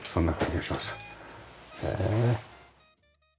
へえ。